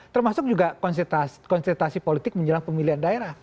termasuk juga konsentrasi politik menjelang pemilihan daerah